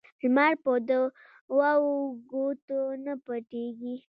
لمر په دوو ګوتو نه پټېږي